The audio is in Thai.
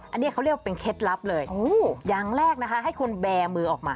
อันนี้เขาเรียกว่าเป็นเคล็ดลับเลยอย่างแรกนะคะให้คุณแบร์มือออกมา